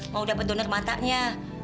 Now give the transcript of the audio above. mau dapet donor matanya